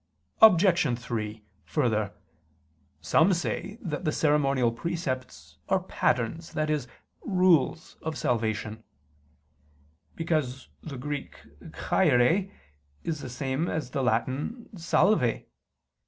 Obj. 3: Further, some say that the ceremonial precepts are patterns, i.e. rules, of salvation: because the Greek chaire is the same as the Latin "salve."